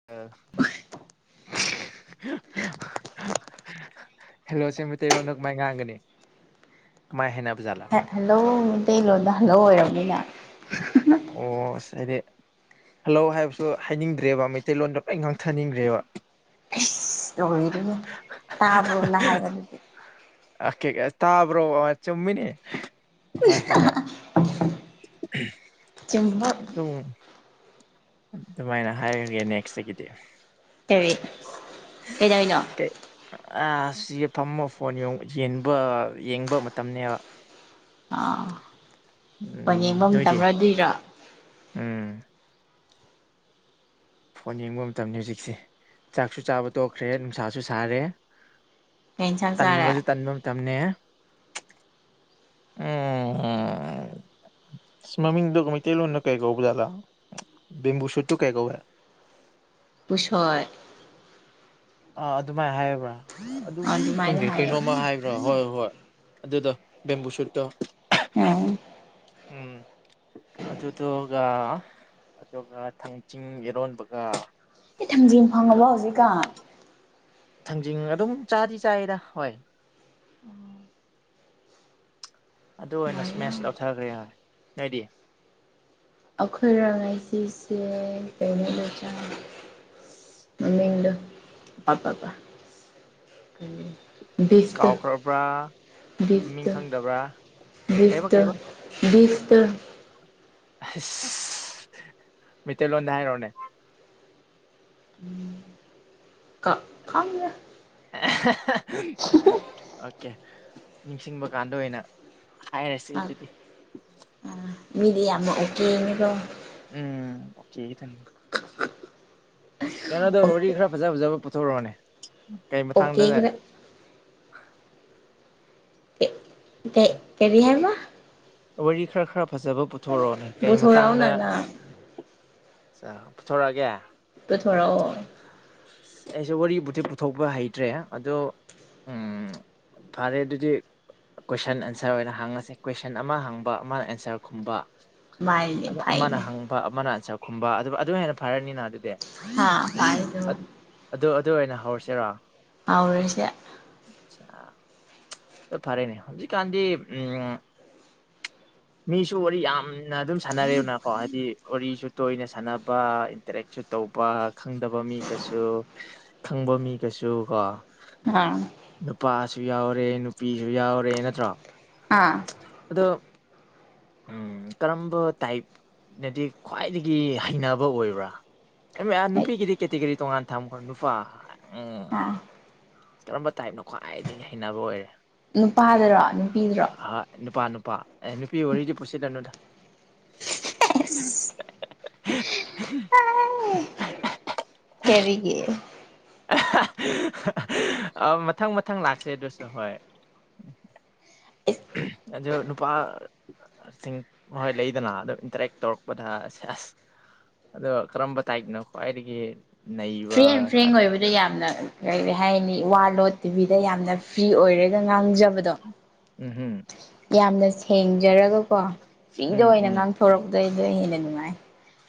[inaudible] Hello ꯁꯤ ꯃꯩꯇꯩꯔꯣꯟꯗ ꯀꯥꯃꯥꯏ ꯉꯥꯡꯒꯅꯤ ꯀꯥꯃꯥꯏ ꯍꯥꯏꯅꯕ ꯖꯥꯠꯂ ꯍ ꯍꯜꯂꯣ ꯃꯇꯩ ꯂꯣꯟꯗꯥ ꯍꯜꯂꯣ ꯑꯣꯏꯔꯝꯅꯤꯅ ꯑꯣ ꯑꯁ ꯑꯩꯗꯤ ꯍꯜꯂꯣ ꯍꯥꯏꯕꯁꯨ ꯍꯥꯏꯅꯤꯡꯗ꯭ꯔꯦꯕ ꯃꯩꯇꯩꯂꯣꯟꯗ ꯂꯣꯏ ꯉꯥꯡꯊꯅꯤꯡꯈ꯭ꯔꯦꯕ꯫ ꯑꯁ ꯂꯣꯏꯔꯦꯍꯦ ꯇꯥꯕ꯭ꯔꯣ ꯅꯥ ꯍꯥꯏꯌꯣ ꯗꯨꯗꯤ ꯫ ꯑ ꯀꯦ ꯑꯥ ꯇꯥꯕ꯭ꯔꯣ ꯑꯥ ꯆꯨꯝꯃꯤꯅꯦ꯫ ꯍꯣꯏ-ꯍꯣꯏ-ꯍꯣꯏ ꯆꯨꯝꯕ ꯎꯡ ꯑꯗꯨꯃꯥꯏꯅ ꯍꯥꯏꯔꯒꯦ ꯅꯦꯛꯁꯇꯒꯤꯗꯤ ꯀꯔꯤ ꯀꯩꯗꯧꯔꯤꯅꯣ ꯀꯩ ꯑꯥ ꯁꯤ ꯐꯝꯃ ꯐꯣꯟ ꯌꯦ ꯌꯦꯟꯕ-ꯌꯦꯡꯕ ꯃꯇꯝꯅꯦꯕ꯫ ꯑꯥ ꯐꯣꯟ ꯎꯝ ꯌꯦꯡꯕ ꯅꯣꯏꯗꯤ ꯃꯇꯝꯔꯥ ꯗꯨꯏꯔꯣ꯫ ꯎꯝ ꯐꯣꯟ ꯌꯦꯡꯕ ꯃꯇꯝꯅꯤ ꯍꯧꯖꯤꯛꯁꯦ ꯆꯥꯛꯁꯨ ꯆꯥꯕ ꯇꯣꯛꯈ꯭ꯔꯦ ꯅꯨꯡꯁꯥꯁꯨ ꯁꯥꯔꯦ꯫ ꯀꯩ ꯏꯟꯁꯥꯡ ꯆꯥꯔꯦ ꯇꯟꯕꯖꯨ ꯇꯟꯕ ꯃꯇꯝꯅꯦ꯫ ꯎꯝ ꯏꯁ ꯃꯃꯤꯡ ꯗꯣ ꯃꯇꯩ ꯂꯣꯟꯅ ꯀꯩ ꯀꯧꯕ ꯖꯥꯠꯂ ꯕꯦꯝꯕꯨ ꯁꯨꯠꯇꯣ ꯀꯩ ꯀꯧꯏ ꯫ ꯄꯨꯁꯣꯏ ꯫ ꯑꯥ ꯑꯗꯨꯃꯥꯏ ꯍꯥꯏꯕ꯭ꯔꯥ ꯑꯗꯨ ꯑꯗꯨꯃꯥꯏꯅ ꯈꯪꯗꯦ ꯍꯥꯏꯌꯦ ꯀꯩꯅꯣꯝꯃ ꯍꯥꯏꯕ꯭ꯔꯥ ꯍꯣꯏ ꯍꯣꯏ ꯑꯗꯨꯗꯣ ꯕꯦꯝꯕꯨ ꯁꯨꯠꯇꯣ꯫ ꯎꯝ ꯎꯝ ꯑꯗꯨꯗꯣꯒ ꯑꯗꯨꯒ ꯊꯥꯡꯖꯤꯡ ꯏꯔꯣꯟꯕꯒ꯫ ꯏꯊꯥꯡꯖꯦꯡ ꯐꯪꯉꯕꯣ ꯍꯧꯖꯤꯛꯀꯥꯟ ꯫ ꯊꯥꯡꯖꯤꯡ ꯑꯗꯨꯝ ꯆꯥꯗꯤ ꯆꯥꯏꯗ ꯍꯣꯏ꯫ ꯑꯗꯨ ꯑꯣꯏꯅ ꯁ꯭ꯃꯦꯁ ꯇꯧꯊꯈ꯭ꯔꯦ ꯅꯣꯏꯗꯤ꯫ ꯑꯩꯈꯣꯏꯔ ꯉꯥꯏꯁꯤꯁꯦ ꯀꯩꯅꯗ ꯆꯥꯡ ꯃꯃꯤꯗꯨ ꯄꯥꯄꯥꯄꯥ꯫ ꯚꯤꯁꯇꯣ ꯀꯥꯎꯈ꯭ꯔꯕ꯭ꯔꯥ ꯃꯃꯤꯡ ꯚꯤꯁꯇꯣ ꯈꯪꯗꯕ꯭ꯔꯥ ꯀꯩꯕ ꯚꯤꯁꯇꯣ ꯀꯩꯕ ꯫ ꯚꯤꯇꯣ꯫ ꯑꯁ ꯃꯩꯇꯩꯂꯣꯟꯗ ꯍꯥꯏꯔꯣꯅꯦ꯫ ꯎꯝ꯫ ꯀ ꯈꯪꯗꯦ꯫ ꯑꯣꯀꯦ ꯅꯤꯡꯁꯤꯡꯕ ꯀꯥꯟꯗ ꯑꯣꯏꯅ꯫ ꯍꯥꯏꯔꯁꯤ ꯑꯗꯨꯗꯤ꯫ ꯃꯤꯗꯤ ꯌꯥꯝꯅ ꯑꯣꯀꯦꯅꯦꯗꯣ꯫ ꯎꯝ ꯀꯨꯀꯤꯒꯤꯗꯣ ꯀꯩꯅꯣꯗ ꯋꯔꯤ ꯈꯔ ꯑꯣꯀꯦ ꯐꯖ ꯐꯖꯕ ꯄꯨꯊꯣꯔꯛꯑꯣꯅꯦ ꯀꯩ ꯃꯇꯥꯡꯗ꯫ ꯏꯇꯩ ꯀꯔꯤ ꯍꯥꯏꯕ꯫ ꯋꯥꯔꯤ ꯈꯔ ꯈꯔ ꯐꯖꯕ ꯄꯨꯊꯣꯔꯛꯑꯣꯅꯦ ꯀꯩ ꯃꯇꯥꯡꯗ꯫ ꯄꯨꯊꯣꯔꯛꯑꯣꯅ ꯅꯪ ꯆꯥ ꯄꯨꯊꯣꯔꯛꯑꯒꯦ꯫ ꯄꯨꯊꯣꯔꯛꯑꯣ꯫ ꯑꯩꯁꯨ ꯋꯥꯔꯤꯕꯨꯗꯤ ꯄꯨꯊꯣꯛꯄ ꯍꯩꯇ꯭ꯔꯦ ꯑꯗꯣ ꯎꯝ ꯐꯔꯦ ꯑꯗꯨꯗꯤ꯫ ꯀꯣꯏꯁꯟ ꯑꯟꯁꯔ ꯑꯣꯏꯅ ꯍꯥꯡꯉꯁꯤ ꯀꯣꯏꯁꯟ ꯑꯃ ꯍꯥꯡꯕ ꯑꯃꯅ ꯑꯟꯁꯔ ꯈꯨꯝꯕ꯫ ꯃꯥꯏꯅꯦ ꯑꯗꯨ ꯑꯃꯅ ꯐꯩꯅꯦ ꯍꯪꯕ ꯑꯃꯅ ꯑꯟꯆꯥꯔ ꯈꯨꯝꯕ ꯑꯗꯨ ꯑꯗꯨ ꯍꯦꯟꯅ ꯐꯔꯅꯤꯅ ꯑꯗꯨꯗꯤ ꯍꯥ [unintelligible] ꯑꯗꯨ ꯑꯗꯨ ꯑꯣꯏꯅ ꯍꯧꯔꯁꯤꯔꯣ꯫ ꯍꯥꯎꯔꯁꯦ꯫ ꯁꯤꯌ꯫ ꯑꯗꯣ ꯐꯔꯦꯅꯦ ꯍꯧꯖꯤꯀꯥꯟꯗꯤ ꯎꯝ ꯃꯤꯁꯨ ꯋꯥꯔꯤ ꯌꯥꯝꯅ ꯑꯗꯨꯝ ꯁꯥꯟꯅꯔꯦꯕꯅꯀꯣ ꯍꯥꯏꯗꯤ ꯋꯥꯔꯤꯁꯨ ꯇꯣꯏꯅ ꯁꯥꯟꯅꯕ ꯏꯟꯇꯔꯦꯛꯁꯨ ꯇꯧꯕ ꯈꯪꯗꯕ ꯃꯤ ꯀꯩꯁꯨ ꯈꯪꯕ ꯃꯤꯒꯁꯨ ꯀꯣ꯫ ꯍꯥꯥ꯫ ꯅꯨꯄꯥꯁꯨ ꯌꯥꯎꯔꯦ ꯅꯨꯄꯤꯁꯨ ꯌꯥꯎꯔꯦ ꯅꯠꯇ꯭ꯔꯣ꯫ ꯑꯥ꯫ ꯑꯗꯣ꯫ ꯎꯝ ꯀꯔꯝꯕ ꯇꯥꯏꯞꯅꯗꯤ ꯈ꯭ꯋꯥꯏꯗꯒꯤ ꯍꯩꯅꯕ ꯑꯣꯏꯕ꯭ꯔꯥ꯫ ꯅꯨꯄꯤꯒꯤꯗꯤ ꯀꯦꯇꯤꯒꯣꯔꯤ ꯇꯣꯡꯉꯥꯟ ꯊꯝꯈ꯭ꯔꯣ ꯅꯨꯄꯥ ꯎꯝ꯫ ꯑꯥ ꯀꯔꯝꯕ ꯇꯥꯏꯞꯅ ꯈ꯭ꯋꯥꯏꯗꯒꯤ ꯍꯩꯅꯕ ꯑꯣꯏꯔꯦ꯫ ꯅꯨꯄꯥꯗꯔꯣ ꯅꯨꯄꯤꯗꯨ꯫ ꯍꯣ ꯅꯨꯄꯥ ꯅꯨꯄꯥ ꯑꯦ ꯅꯨꯄꯤ ꯋꯥꯔꯤꯗꯤ ꯄꯨꯁꯤꯜꯂꯅꯨꯗ꯫ [inaudible] ꯀꯔꯤꯒꯤ꯫ ꯑ ꯃꯊꯪ ꯃꯊꯪ ꯂꯥꯛꯁꯦ ꯑꯗꯨꯁꯨ ꯍꯣꯏ꯫ ꯑꯗꯨ ꯅꯨꯄꯥ꯫ ꯁꯤꯡ ꯃꯈꯣꯏ ꯂꯩꯗꯅ ꯑꯗꯨꯝ ꯏꯟꯇꯔꯦꯛ ꯇꯧꯔꯛꯄꯗ ꯑꯁ ꯑꯁ ꯑꯗꯣ ꯀꯔꯝꯕ ꯇꯥꯏꯞꯅꯣ ꯈ꯭ꯋꯥꯏꯗꯒꯤ꯫ ꯅꯩꯕ ꯐ꯭ꯔꯤꯑꯦꯟ ꯐ꯭ꯔꯦꯡ ꯑꯣꯏꯕꯗ ꯌꯥꯝꯅ꯫ ꯀꯔꯤ ꯍꯥꯏꯅꯤ ꯋꯥ ꯂꯣꯠꯇꯕꯤꯗ ꯌꯥꯝꯅ ꯐ꯭ꯔꯤ ꯑꯣꯏꯔꯒ ꯉꯥꯡꯖꯕꯗꯣ ꯎꯝ ꯍꯨꯝ ꯌꯥꯝꯅ ꯁꯦꯡꯖꯔꯒꯀꯣ ꯎꯝ ꯐ꯭ꯔꯤꯗ ꯑꯣꯏꯅ ꯎꯝ ꯉꯥꯡꯊꯣꯔꯛꯄꯗꯣ ꯑꯗꯨꯅ ꯍꯦꯟꯅ ꯅꯨꯡꯉꯥꯏ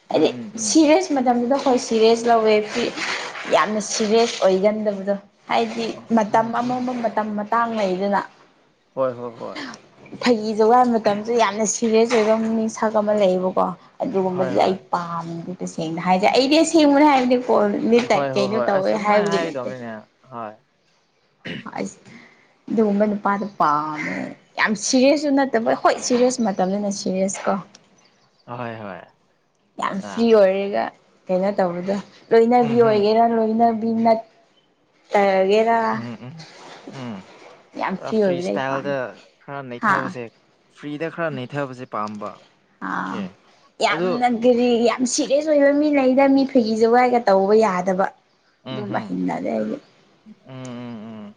ꯎꯝ ꯍꯥꯏꯗꯤ ꯎꯝ ꯁꯤꯔꯤꯁ ꯃꯇꯝꯗꯨꯗ ꯍꯣꯏ ꯁꯤꯔꯤꯁ ꯂꯧꯋꯦ ꯑꯗꯨꯗꯤ ꯌꯥꯝꯅ ꯁꯤꯔꯤꯁ ꯑꯣꯏꯒꯟꯗꯕꯗꯣ ꯍꯥꯏꯗꯤ ꯎꯝ ꯃꯇꯝ ꯎꯝ ꯎꯝ ꯑꯃꯝꯕ ꯃꯇꯝ ꯃꯇꯥꯡ ꯂꯩꯗꯅ ꯍꯣꯏ ꯍꯣꯏ ꯍꯣꯏ ꯐꯒꯤ ꯖꯣꯒꯥꯢ ꯃꯇꯝꯁꯨ ꯌꯥꯝꯅ ꯁꯤꯔꯤꯌꯁ ꯑꯣꯏꯕ ꯃꯤꯁꯛ ꯑꯃ ꯂꯩꯌꯦꯕꯀꯣ ꯍꯣꯏ ꯑꯗꯨꯒꯨꯝꯕꯗꯤ ꯍꯣꯏ ꯑꯩ ꯄꯥꯝꯗꯦꯕ ꯁꯦꯡꯅ ꯍꯥꯏꯔꯗꯤ ꯑꯩꯗꯤ ꯁꯦꯡꯕꯅꯦ ꯍꯥꯏꯕꯗꯤ ꯐꯣꯟ ꯃꯤꯇꯥꯏ ꯍꯣꯏ ꯍꯣꯏ ꯀꯩꯅꯣ ꯍꯣꯏ ꯇꯧꯋꯦ ꯑꯁ ꯑꯗꯨꯃꯥꯏꯅ ꯍꯥꯏꯕꯒꯤ ꯅꯠꯇꯦ ꯍꯥꯏꯒꯗꯕꯅꯤꯅꯦ ꯍꯣꯏ ꯑꯁ ꯑꯗꯨꯒꯒꯨꯝꯕ ꯅꯨꯄꯥꯗ ꯄꯥꯝꯃꯦ ꯌꯥꯝ ꯁꯤꯔꯤꯌꯁꯁꯨꯨ ꯅꯠꯇꯕ ꯍꯣꯏ ꯁꯤꯔꯤꯌꯁ ꯃꯇꯝꯅꯤꯗꯅ ꯁꯤꯔꯤꯌꯁ ꯀꯣ ꯍꯣꯏ ꯍꯣꯏ ꯌꯥꯝ ꯑ ꯐ꯭ꯔꯤ ꯑꯣꯏꯔꯦꯒ ꯀꯩꯅꯣ ꯇꯧꯕꯗꯣ ꯂꯣꯏꯅꯕꯤ ꯎꯝ ꯍꯝ ꯑꯣꯏꯒꯦꯔꯥ ꯂꯣꯏꯅꯕꯤ ꯅꯠꯇꯒꯦꯔꯥ ꯎꯝ ꯎꯝ ꯎꯝ ꯌꯥꯝ ꯈꯔ ꯐ꯭ꯔꯤ ꯑꯣꯏꯕꯗꯣ ꯑꯩ ꯏꯁꯇꯥꯏꯜꯗ ꯄꯥꯝꯃꯦ ꯈꯔ ꯍꯥ ꯅꯩꯊꯕꯁꯦ ꯐ꯭ꯔꯤꯗ ꯈꯔ ꯅꯩꯊꯕꯁꯦ ꯄꯥꯝꯕ ꯑꯣꯀꯦ ꯑ ꯑꯗꯨ ꯌꯥꯝꯅ [unintelligible] ꯌꯥꯝ ꯁꯤꯔꯤꯌꯁ ꯑꯣꯏꯕ ꯃꯤ ꯂꯩꯗ ꯃꯤ ꯐꯤꯒꯤ ꯖꯣꯒꯥꯏꯒ ꯇꯧꯕ ꯌꯥꯗꯕ ꯎꯝ ꯑꯗꯨꯨꯝꯕ ꯍꯝ ꯍꯨꯅꯗꯦ ꯑꯩꯗꯤ ꯎꯝ ꯎꯝ ꯎꯝ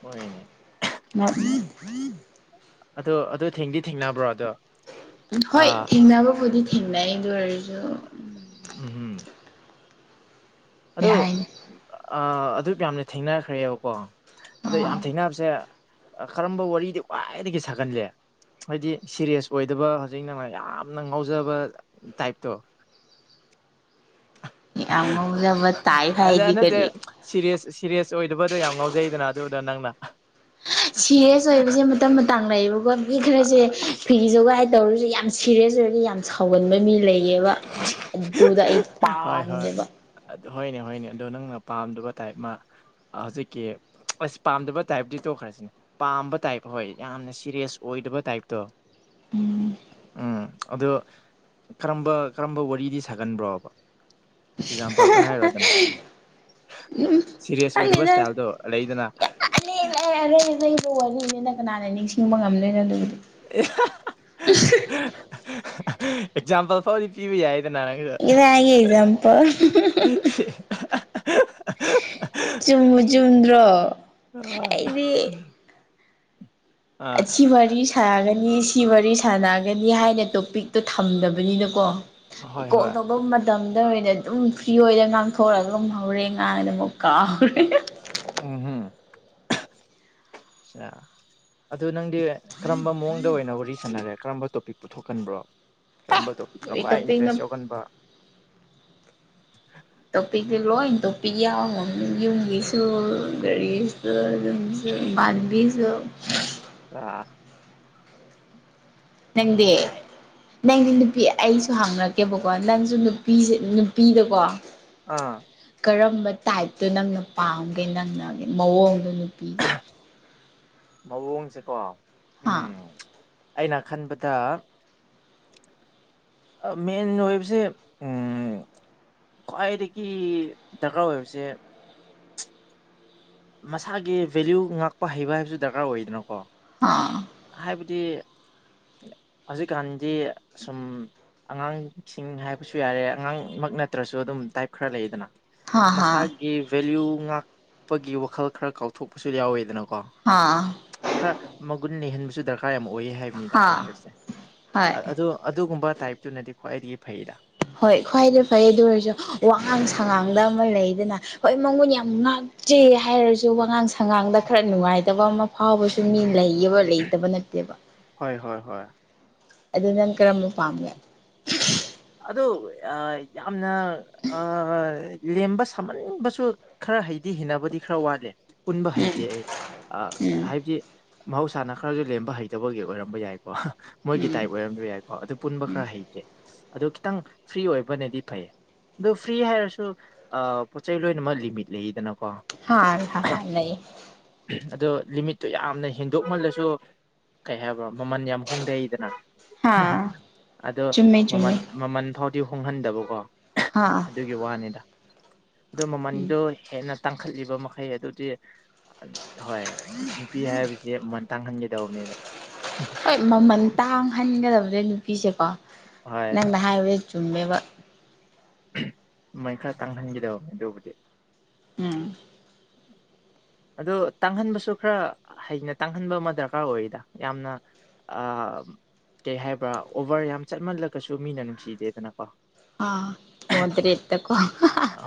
ꯍꯣꯢꯅꯦ ꯃꯣꯢ ꯑꯗꯣ ꯑꯗꯨ ꯊꯦꯡꯗꯤ ꯊꯦꯡꯅꯕ꯭ꯔꯣ ꯑꯗꯣ ꯍꯣꯏ ꯑꯥ ꯊꯦꯡꯅꯕꯕꯨꯗꯤ ꯊꯦꯡꯅꯩ ꯑꯗꯨ ꯑꯣꯏꯔꯁꯨ ꯎꯝꯍꯨꯝ ꯀꯩ ꯑꯗꯣ ꯍꯥꯏꯅꯤ ꯑꯗꯨ ꯌꯥꯝꯅ ꯊꯦꯡꯅꯈ꯭ꯔꯦꯕꯀꯣ ꯑꯗꯣ ꯑꯥ ꯌꯥꯝ ꯊꯦꯡꯅꯕꯁꯦ ꯀꯔꯝꯕ ꯋꯥꯔꯤꯗꯤ ꯈ꯭ꯋꯥꯏꯗꯒꯤ ꯁꯥꯒꯜꯂꯦ ꯍꯥꯏꯗꯤ ꯁꯦꯔꯤꯌꯁ ꯑꯣꯏꯗꯕ ꯍꯧꯖꯤꯛ ꯅꯪꯅ ꯌꯥꯝꯅ ꯉꯥꯎꯖꯕ ꯇꯥꯏꯞꯇꯣ ꯌꯥꯝ ꯉꯥꯎꯖꯕ ꯇꯥꯢꯞ ꯍꯥꯢꯗꯤ ꯀꯔꯤ ꯁꯤꯔꯤꯁ ꯁꯤꯔꯤꯌꯁ ꯑꯣꯏꯗꯕꯗꯣ ꯌꯥꯝ ꯉꯥꯎꯖꯩꯗꯅ ꯑꯗꯨꯗ ꯅꯪꯅ ꯁꯤꯔꯤꯌꯁ ꯑꯣꯏꯕꯁꯦ ꯃꯇꯝ ꯃꯇꯥꯡ ꯂꯩꯌꯦꯕꯀꯣ ꯃꯤ ꯈꯔꯁꯦ ꯐꯤꯒꯤ ꯖꯨꯒꯥꯏ ꯇꯧꯔꯁꯨ ꯌꯥꯝ ꯁꯤꯔꯤꯁ ꯑꯣꯏꯔꯒ ꯌꯥꯝ ꯁꯥꯎꯒꯟꯕ ꯃꯤ ꯂꯩꯌꯦꯕ ꯑꯗꯨꯗ ꯑꯩ ꯄꯥꯝꯗꯦꯕ ꯑꯗꯨ ꯍꯣꯏꯅꯦ ꯍꯣꯏꯅꯦ ꯑꯗꯣ ꯅꯪꯅ ꯄꯥꯝꯗꯕ ꯇꯥꯏꯞ ꯑꯃ ꯍꯧꯖꯤꯛꯀꯤ ꯑꯁ ꯄꯥꯝꯗꯕ ꯇꯥꯏꯞꯇꯤ ꯇꯣꯛꯈ꯭ꯔꯁꯤꯅꯦ ꯄꯥꯝꯕ ꯇꯥꯏꯞ ꯍꯣꯏ ꯌꯥꯝꯅ ꯁꯤꯔꯤꯌꯁ ꯑꯣꯏꯗꯕ ꯇꯥꯏꯞꯇꯣ ꯎꯝ ꯎꯝ ꯑꯗꯨ ꯀꯔꯝꯕ ꯀꯔꯝꯕ ꯋꯥꯔꯤꯗꯤ ꯁꯥꯒꯟꯕ꯭ꯔꯣꯕ ꯑꯦꯛꯖꯥꯝꯄꯜ ꯈꯔ ꯍꯥꯏꯔꯣꯗꯅ ꯎꯝ ꯁꯦꯔꯤꯌꯁ ꯑꯣꯏꯗꯕ ꯏꯁꯇꯥꯏꯜꯗꯣ ꯂꯩꯗꯅ [unintelligible] [unintelligible] [unintelligible] ꯋꯥꯔꯤꯅꯤꯅꯤꯅ ꯀꯅꯥꯅ ꯅꯤꯡꯁꯤꯡꯕ ꯉꯝꯗꯣꯏꯅꯣ ꯑꯗꯨꯕꯨꯗꯤ ꯑꯦꯛꯖꯥꯝꯄꯜ ꯐꯥꯎꯗꯤ ꯄꯤꯕꯥ ꯌꯥꯏꯗꯅꯥ ꯀꯗꯥꯢꯗꯒꯤ ꯑꯦꯛꯖꯥꯝꯄꯥꯜ ꯁꯤ ꯆꯨꯝꯕꯨ ꯆꯨꯝꯗ꯭ꯔꯣ ꯑꯥ ꯑꯩꯗꯤ ꯑꯁꯤ ꯋꯥꯔꯤ ꯁꯥꯥꯟꯒꯅꯤ ꯁꯤ ꯋꯥꯔꯤ ꯁꯥꯟꯅꯒꯅꯤ ꯍꯥꯏꯅ ꯇꯣꯄꯤꯛꯇꯣ ꯊꯝꯗꯕꯅꯤꯅꯀꯣ ꯍꯣꯏ ꯀꯣꯜ ꯍꯣꯏ ꯇꯧꯕ ꯃꯇꯝꯗ ꯑꯣꯏꯅ ꯑꯗꯨꯝ ꯐ꯭ꯔꯤ ꯑꯣꯏꯅꯗ ꯉꯥꯡꯊꯣꯛꯑꯒ ꯑꯗꯨꯝ ꯍꯧꯔꯦ ꯉꯥꯡꯕ ꯑꯃꯨꯛ ꯀꯥꯥꯎꯔꯦ ꯎꯝꯍꯨꯝ ꯑꯠꯁꯥ ꯑꯗꯨ ꯅꯪ [unintelligible] ꯀꯔꯝꯕ ꯃꯑꯣꯡꯗ ꯑꯣꯏꯅ ꯋꯥꯔꯤ ꯁꯥꯟꯅꯔꯦ ꯀꯔꯝꯕ ꯇꯣꯄꯤꯛ ꯄꯨꯊꯣꯛꯀꯟꯕ꯭ꯔꯣ ꯀꯔꯝꯕ ꯇꯣ ꯑꯩ ꯈ꯭ꯋꯥꯏ ꯇꯣꯄꯤꯛꯅ ꯏꯟꯇꯔꯦꯁ ꯌꯥꯎꯒꯟꯕ ꯇꯣꯄꯤꯛꯁꯦ ꯂꯣꯏ ꯇꯣꯄꯤꯛ ꯌꯥꯎꯔꯝꯅꯤ ꯌꯨꯝꯒꯤꯁꯨ [unintelligible] [unintelligible] [unintelligible] ꯅꯪꯗꯤ ꯅꯪꯗꯤ ꯅꯨꯄꯤ ꯑꯩꯁꯨ ꯍꯪꯔꯛꯀꯦꯕꯀꯣ ꯅꯪꯁꯨ ꯅꯨꯄꯤꯁꯦ ꯅꯨꯄꯤꯗꯣꯀꯣ ꯑꯥ ꯀꯔꯝꯕ ꯇꯥꯏꯞꯇ ꯅꯪꯅ ꯄꯥꯝꯒꯦ ꯅꯪꯅ ꯃꯑꯣꯡꯗꯣ ꯅꯨꯄꯤꯒꯤ꯫ ꯃꯑꯣꯡꯁꯦꯀꯣ ꯍꯥ ꯎꯝ ꯑꯩꯅ ꯈꯟꯕꯗ ꯑ ꯃꯦꯟ ꯑꯣꯏꯕꯁꯦ ꯎꯝ ꯈ꯭ꯋꯥꯏꯗꯒꯤ ꯗꯔꯀꯥꯔ ꯑꯣꯏꯕꯁꯦ ꯃꯁꯥꯒꯤ ꯚꯦꯂ꯭ꯌꯨ ꯉꯥꯛꯄ ꯍꯩꯕ ꯍꯥꯏꯕꯁꯨ ꯗꯔꯀꯥꯔ ꯑꯣꯏꯗꯅꯀꯣ꯫ ꯑ ꯍꯥꯏꯕꯗꯤ ꯍꯧꯖꯤꯛꯀꯥꯟꯗꯤ ꯁꯨꯝ ꯑꯉꯥꯡꯁꯤꯡ ꯍꯥꯏꯕꯁꯨ ꯌꯥꯔꯦ ꯑꯉꯥꯡꯃꯛ ꯅꯠꯇ꯭ꯔꯁꯨ ꯑꯗꯨꯝ ꯇꯥꯏꯞ ꯈꯔ ꯂꯩꯗꯅ꯫ ꯍꯥ ꯍꯥ ꯃꯁꯥꯒꯤ ꯚꯦꯂ꯭ꯌꯨ ꯉꯥꯛꯄꯒꯤ ꯋꯥꯈꯜ ꯈꯔ ꯀꯥꯎꯊꯣꯛꯄꯁꯨ ꯌꯥꯎꯋꯦꯗꯅꯀꯣ꯫ ꯑ ꯈꯔ ꯃꯒꯨꯟ ꯂꯩꯍꯟꯕꯁꯨ ꯗꯔꯀꯥꯔ ꯌꯥꯝ ꯑꯣꯏꯌꯦ ꯍꯥꯏꯕꯅꯤꯗ ꯑꯩꯅ ꯍꯥ ꯍꯣꯏ ꯍꯥꯏꯕꯅꯤꯗ ꯑꯗꯨ ꯑꯗꯨꯒꯨꯝꯕ ꯇꯥꯏꯞꯇꯨꯅꯗꯤ ꯈ꯭ꯋꯥꯏꯗꯒꯤ ꯐꯩꯗ꯫ ꯍꯣꯏ ꯈ꯭ꯋꯥꯏꯗꯩ ꯐꯔꯦ ꯑꯗꯨ ꯑꯣꯏꯔꯁꯨ ꯋꯥꯉꯥꯡ ꯁꯉꯥꯡꯗ ꯑꯃ ꯂꯩꯗꯅ ꯍꯣꯏ [unintelligible] ꯆꯦ ꯍꯥꯏꯔꯁꯨ ꯋꯥꯉꯥꯡ ꯁꯉꯥꯡꯗ ꯈꯔ ꯅꯨꯡꯉꯥꯏꯇꯕ ꯑꯃ ꯐꯥꯎꯕꯁꯨ ꯃꯤ ꯂꯩꯌꯦꯕ ꯂꯩꯇꯕ ꯅꯠꯇꯦꯕ ꯍꯣꯏ ꯍꯣꯏ ꯍꯣꯏ ꯑꯗꯨ ꯅꯪ ꯀꯔꯝꯕ ꯄꯥꯝꯃꯤ꯫ ꯑꯗ ꯨ ꯑ ꯌꯥꯝꯅ ꯑ ꯂꯦꯝꯕ ꯁꯥꯃꯟꯕꯁꯨ ꯈꯔ ꯍꯩꯗꯤ ꯍꯦꯅꯕꯗꯤ ꯈꯔ ꯋꯥꯠꯂꯦ꯫ ꯄꯨꯟꯕ ꯎꯝ ꯍꯩꯇꯦ ꯑꯩ ꯑ ꯍꯥꯏꯕꯗꯤ ꯃꯍꯧꯁꯥꯅ ꯈꯔꯁꯨ ꯂꯦꯝꯕ ꯍꯩꯇꯕꯒꯤ ꯑꯣꯏꯔꯝꯕ ꯌꯥꯏꯀꯣ ꯎꯝ ꯃꯣꯏꯒꯤ ꯎꯝ ꯇꯥꯏꯞ ꯑꯣꯏꯔꯝꯕ ꯌꯥꯏꯀꯣ ꯑꯗꯨ ꯄꯨꯟꯕ ꯎꯝ ꯈꯔ ꯍꯩꯇꯦ꯫ ꯑꯗꯨ ꯈꯤꯇꯪ ꯐ꯭ꯔꯤ ꯑꯣꯏꯕꯅꯗꯤ ꯐꯩꯌꯦ꯫ ꯑꯗꯨ ꯐ꯭ꯔꯤ ꯍꯥꯏꯔꯁꯨ ꯄꯣꯠꯆꯩ ꯂꯣꯏꯅꯃꯛ ꯂꯤꯃꯤꯠ ꯂꯩꯌꯦꯗꯅꯀꯣ꯫ [unintelligible] ꯂꯩꯌꯦ꯫ ꯑꯗꯣ ꯂꯤꯃꯤꯠꯇꯨ ꯌꯥꯝꯅ ꯍꯦꯟꯗꯣꯛꯃꯜꯂꯁꯨ ꯀꯩ ꯍꯥꯏꯕ꯭ꯔꯥ ꯃꯃꯜ ꯌꯥꯝ ꯍꯣꯡꯗꯩꯗꯅ꯫ ꯍꯥ [unintelligible] ꯑꯗꯣ ꯆꯨꯝꯃꯦ ꯃꯃꯟ ꯆꯨꯝꯃꯦ ꯃꯃꯟ ꯐꯥꯎꯗꯤ ꯍꯣꯡꯍꯟꯗꯕꯀꯣ꯫ ꯍꯥꯥ ꯑꯗꯨꯒꯤ ꯋꯥꯅꯤꯗ ꯑꯗꯨ ꯎꯝ ꯃꯃꯟꯗꯣ ꯍꯦꯟꯅ ꯇꯥꯡꯈꯠꯂꯤꯕ ꯃꯈꯩ ꯑꯗꯨꯗꯤ ꯍꯣꯏ ꯅꯨꯄꯤ ꯍꯥꯏꯕꯁꯦ ꯃꯃꯟ ꯇꯥꯡꯍꯟꯒꯦꯇꯧꯕꯅꯤꯗ ꯍꯣꯏ ꯃꯃꯟ ꯇꯥꯡꯍꯟꯒꯗꯕꯅꯦ ꯅꯨꯄꯤꯁꯦꯀꯣ ꯍꯣꯏ ꯅꯪꯅ ꯍꯥꯏꯕꯗ ꯆꯨꯝꯃꯦꯕ꯫ ꯃꯃꯟ ꯈꯔ ꯇꯥꯡꯍꯟꯒꯦꯇꯧꯕꯅꯦ ꯑꯗꯨꯕꯨꯗꯤ꯫ ꯎꯝ ꯑꯗꯨ ꯇꯥꯡꯍꯟꯕꯁꯨ ꯈꯔ ꯍꯩꯅ ꯇꯥꯡꯍꯟꯕ ꯑꯃ ꯗꯔꯀꯥꯔ ꯑꯣꯏꯗ ꯌꯥꯝꯅ ꯑ ꯀꯩ ꯍꯥꯏꯕ꯭ꯔꯥ ꯑꯣꯕꯔ ꯌꯥꯝ ꯆꯠꯃꯜꯂꯒꯁꯨ ꯃꯤꯅ ꯅꯨꯡꯁꯤꯗꯦꯗꯅꯀꯣ ꯑꯥ ꯃꯣꯗꯔꯦꯠꯇꯀꯣ [unintelligible]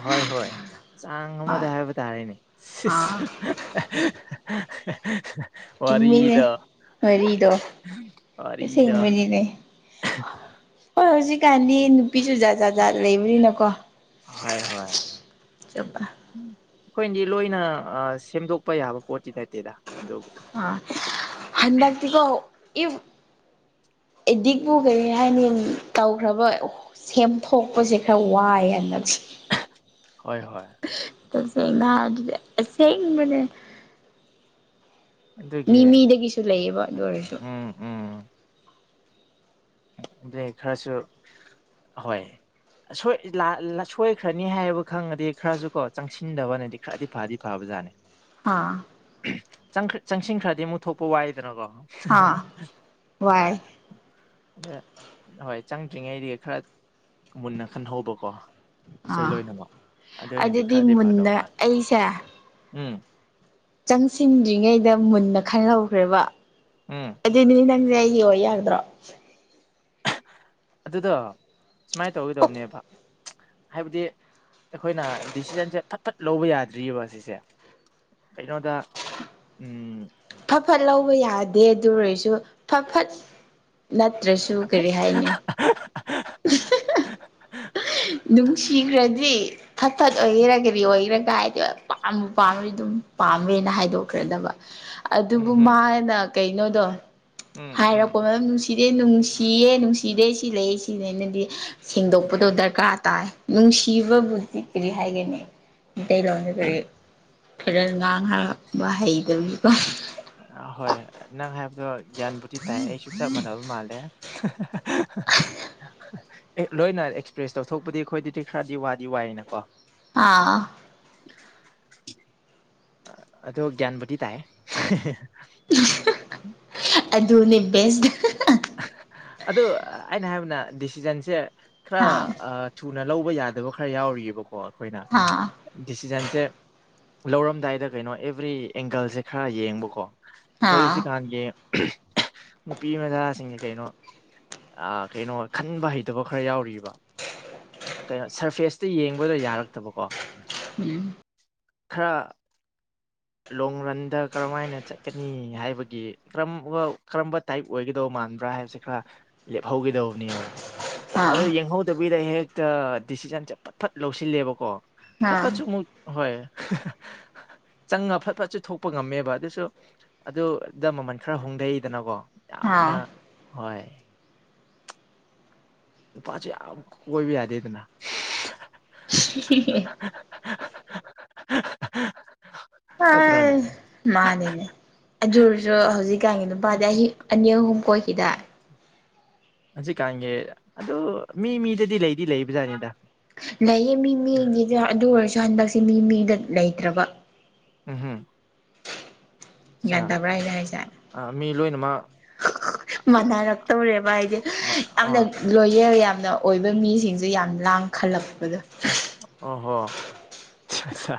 ꯍꯣꯏ ꯍꯣꯏ ꯆꯥꯡ ꯑꯃꯗ ꯍꯥꯏꯕ ꯇꯥꯔꯦꯅꯦ [inaudible] ꯑꯥ ꯆꯨꯝꯃꯤꯅꯦ ꯋꯥꯔꯤꯗꯣ ꯋꯥꯔꯤꯗꯣ ꯑꯁꯦꯡꯕꯅꯤꯅꯦ ꯍꯣꯏ ꯍꯧꯖꯤꯛ ꯀꯥꯟꯗꯤ ꯅꯨꯄꯤꯁꯨ ꯖꯥꯠ ꯖꯥꯠ ꯖꯥꯠ ꯂꯩꯕꯅꯤꯅꯀꯣ [unintelligible] ꯎꯝ ꯑꯩꯈꯣꯏꯅꯗꯤ ꯂꯣꯏꯅ ꯁꯦꯝꯗꯣꯛꯄ ꯌꯥꯕ ꯄꯣꯠꯇꯤ ꯅꯠꯇꯦꯗ ꯑꯗꯨꯕꯨꯗꯤ ꯑ ꯍꯟꯗꯛꯇꯤꯀꯣ ꯏꯐ ꯑꯦꯗꯤꯛꯄꯨ ꯀꯔꯤ ꯍꯥꯏꯅꯤ ꯇꯧꯈ꯭ꯔꯕ ꯁꯦꯝꯗꯣꯛꯄꯁꯦ ꯈꯔ ꯋꯥꯏ ꯍꯟꯗꯛꯁꯦ ꯍꯣꯏ ꯍꯣꯏ [inaudible] ꯑꯁꯦꯡꯕꯅꯦ ꯑꯗꯨꯒꯤ ꯃꯤ ꯃꯤꯗꯒꯤꯁꯨ ꯂꯩꯌꯦꯕ ꯑꯗꯨ ꯑꯣꯏꯔꯁꯨ ꯎꯝ ꯑꯗꯨꯏ ꯈꯔꯁꯨ ꯍꯣꯏ ꯁꯣꯏꯈ꯭ꯔꯅꯤ ꯍꯥꯏꯕ ꯈꯪꯉꯗꯤ ꯈꯔꯁꯨ ꯀꯣ ꯆꯪꯁꯤꯟꯗꯕꯅꯗꯤ ꯈꯔꯗꯤ ꯐꯗꯤ ꯐꯕ ꯖꯥꯠꯅꯦ ꯑꯥ ꯆꯪ ꯆꯪꯁꯤꯟꯈ꯭ꯔꯗꯤ ꯑꯃꯨꯛ ꯊꯣꯛꯄ ꯋꯥꯏꯗꯅꯀꯣ ꯑꯥ ꯍꯣꯏ ꯋꯥꯏ ꯑꯗ ꯍꯣꯏ ꯆꯪꯗ꯭ꯔꯤꯉꯩꯗꯒꯤ ꯈꯔ ꯃꯨꯟꯅ ꯈꯟꯍꯧꯕꯀꯣ ꯏꯁꯩ ꯑꯥ ꯂꯣꯏꯅꯃꯛ ꯑꯗꯨ ꯑꯣꯏꯅꯗꯤ ꯑꯗꯨꯗꯤ ꯈꯔꯗꯤ ꯐꯗꯧ ꯃꯨꯟꯅ ꯃꯥꯜꯂꯦ ꯑꯩꯁꯦ ꯎꯝ ꯆꯪꯁꯤꯟꯗ꯭ꯔꯤꯉꯩꯗ ꯃꯨꯟꯅ ꯈꯟꯍꯧꯈ꯭ꯔꯦꯕ ꯎꯝ ꯑꯗꯨꯗꯤ ꯅꯪꯁꯦ ꯑꯩ ꯑꯣꯏ ꯌꯥꯒꯗ꯭ꯔꯣ ꯑꯗꯨꯗꯣ ꯁꯨꯃꯥꯏ ꯇꯧꯒꯦ ꯇꯧꯕꯅꯦꯕ ꯍꯥꯏꯕꯗꯤ ꯑꯩꯈꯣꯏꯅ ꯗꯤꯁꯤꯖꯟꯁꯦ ꯐꯠ ꯐꯠ ꯂꯧꯕ ꯌꯥꯗ꯭ꯔꯤꯌꯦꯕ ꯑꯁꯤꯁꯦ ꯀꯩꯅꯣꯗ ꯎꯝ ꯐꯠ ꯐꯠ ꯂꯧꯕ ꯌꯥꯗꯦ ꯑꯗꯨ ꯑꯣꯏꯔꯁꯨ ꯐꯠ ꯐꯠ ꯅꯠꯇ꯭ꯔꯁꯨ ꯀꯔꯤ ꯍꯥꯏꯅꯤ [unintelligible] [unintelligible] ꯅꯨꯡꯁꯤꯈ꯭ꯔꯗꯤ ꯐꯠ ꯐꯠ ꯑꯣꯏꯒꯦꯔ ꯀꯔꯤ ꯑꯣꯏꯒꯦꯔ ꯀꯥꯏꯗꯦꯕ ꯄꯥꯝꯕꯨ ꯄꯥꯝꯃꯗꯤ ꯑꯗꯨꯝ ꯄꯥꯝꯃꯦꯅ ꯍꯥꯏꯗꯣꯛꯈ꯭ꯔꯗꯕ ꯎꯝ ꯑꯗꯨꯕꯨ ꯍꯝ ꯃꯥꯅ ꯀꯩꯅꯣꯗꯣ ꯍꯥꯏꯔꯛꯄ ꯎꯝ ꯅꯨꯡꯁꯤ ꯁꯤꯗꯦ ꯅꯨꯡꯁꯤꯌꯦ ꯅꯨꯡꯁꯤꯗꯦ ꯁꯤ ꯂꯩ ꯁꯤꯅꯦꯅꯗꯤ ꯁꯦꯡꯗꯣꯛꯄꯗꯣ ꯗꯔ ꯀꯥꯔ ꯇꯥꯏ ꯅꯨꯡꯁꯤꯕꯕꯨꯗꯤ ꯀꯔꯤ ꯍꯥꯏꯒꯅꯤ ꯃꯩꯇꯩꯂꯣꯟꯗ ꯀꯔꯤ [inaudible] ꯍꯩꯇꯕꯅꯤꯀꯣ ꯑ ꯍꯣꯏ ꯅꯪ ꯍꯥꯏꯕꯗꯣ ꯒ꯭ꯌꯥꯟ ꯕꯨꯗꯤ ꯇꯥꯏ ꯑꯩꯁꯨ ꯆꯞ ꯃꯥꯟꯅꯕ ꯃꯥꯜꯂꯦ [unintelligible] ꯑꯦ ꯂꯣꯏꯅ ꯑꯦꯛꯁꯄ꯭ꯔꯦꯁ ꯇꯧꯊꯣꯛꯄꯗꯤ ꯑꯩꯈꯣꯏꯗꯗꯤ ꯈꯔꯗꯤ ꯋꯥꯗꯤ ꯋꯥꯏꯅꯀꯣ ꯑꯥ ꯑꯗꯣ ꯒ꯭ꯌꯥꯟꯕꯨꯗꯤ ꯇꯥꯏ ꯑꯗꯨꯅꯤ ꯕꯦꯁꯠ ꯑꯗꯨ ꯑꯩꯅ ꯍꯥꯏꯕꯅ ꯗꯤꯁꯤꯖꯟꯁꯦ ꯈꯔ ꯑꯥ ꯑ ꯊꯨꯅ ꯂꯧꯕ ꯌꯥꯗꯕ ꯈꯔ ꯌꯥꯎꯔꯤꯕꯀꯣ ꯑꯩꯈꯣꯏꯅ ꯑꯥ ꯗꯤꯁꯤꯖꯟꯁꯦ ꯂꯧꯔꯝꯗꯥꯏꯗ ꯀꯩꯅꯣ ꯑꯦꯕ꯭ꯔꯤ ꯑꯦꯡꯒꯜꯁꯦ ꯈꯔ ꯌꯦꯡꯕꯀꯣ ꯍꯣꯏ ꯍꯧꯁꯤ ꯀꯥꯟꯒꯤ ꯅꯨꯄꯤ ꯃꯗꯥ ꯁꯤꯡ ꯀꯩꯅꯣ ꯑꯥ ꯀꯩꯅꯣ ꯈꯟꯕ ꯍꯩꯇꯕ ꯈꯔ ꯌꯥꯎꯔꯤꯕ ꯀꯩꯅꯣ ꯁꯔꯐꯦꯁꯇ ꯌꯦꯡꯕꯗꯣ ꯌꯥꯔꯛꯇꯕꯀꯣ ꯈꯔ ꯂꯣꯡ ꯔꯟꯗ ꯀꯔꯝꯃꯥꯏꯅ ꯆꯠꯀꯅꯤ ꯍꯥꯏꯕꯒꯤ ꯀꯔꯝ ꯋꯥꯔꯜ ꯀꯔꯝꯕ ꯇꯥꯏꯞ ꯑꯣꯏꯒꯗꯧꯕ ꯃꯥꯟꯕ꯭ꯔꯥ ꯍꯥꯏꯕꯁꯦ ꯈꯔ ꯂꯦꯞꯍꯧꯒꯗꯧꯕꯅꯦꯕ ꯑꯗꯣ ꯌꯦꯡꯍꯧꯗꯕꯤꯗ ꯍꯦꯛꯇ ꯗꯤꯁꯤꯖꯟꯁꯦ ꯐꯠ ꯐꯠ ꯂꯧꯁꯤꯜꯂꯦꯕꯀꯣ ꯐꯠ ꯐꯠꯁꯨ ꯑꯃꯨꯛ ꯍꯣꯏ ꯆꯪꯉ ꯐꯠ ꯐꯠꯁꯨ ꯊꯣꯛꯄ ꯉꯝꯃꯦꯕ ꯑꯗꯨꯁꯨ ꯑꯗꯨꯗ ꯃꯃꯟ ꯈꯔ ꯍꯣꯡꯗꯩꯗꯅꯀꯣ ꯌꯥꯝꯅ ꯍꯣꯏ ꯅꯨꯄꯥꯖꯨ ꯌꯥꯝ ꯀꯣꯏꯕ ꯌꯥꯗꯦꯗꯅ ꯍ ꯍꯥ ꯍꯥ ꯍꯥ ꯑꯥꯏ ꯃꯥꯅꯤꯅꯦ ꯑꯗꯨꯔꯑꯁꯨ ꯍꯧꯖꯤꯛꯀꯥꯟꯒꯤ ꯅꯨꯄꯥꯗꯤ ꯑꯍꯤ ꯑꯅꯤ ꯑꯍꯨꯝ ꯀꯣꯏꯈꯤꯗ ꯍꯧꯖꯤꯛꯀꯥꯟꯒꯤ ꯑꯗꯨ ꯃꯤ ꯃꯤꯗꯗꯤ ꯂꯩꯗꯤ ꯂꯩꯕꯖꯥꯠꯅꯤꯗ ꯂꯩꯌꯦ ꯃꯤ ꯃꯤꯒꯤꯗ ꯑꯗꯨ ꯑꯣꯏꯔꯁꯨ ꯍꯟꯗꯛꯁꯦ ꯃꯤ ꯃꯤꯗ ꯂꯩꯇ꯭ꯔꯕ ꯎꯝ ꯍꯨꯝ ꯒꯌꯥꯟ ꯇꯕ꯭ꯔꯥ ꯑꯩꯅ ꯍꯥꯏꯁꯦ ꯃꯤ ꯂꯣꯏꯅꯃꯛ ꯃꯥꯟꯅꯔꯛꯇꯧꯔꯦꯕ ꯍꯥꯏꯗꯤ ꯌꯥꯝꯅ ꯑꯥ ꯂꯣꯌꯦꯜ ꯌꯥꯝꯅ ꯑꯣꯏꯕ ꯃꯤꯁꯤꯡꯖꯦ ꯌꯥꯝ ꯂꯥꯡꯈꯜꯂꯛꯄꯗꯣ ꯑꯣ ꯍꯣ ꯁꯥ ꯁꯥ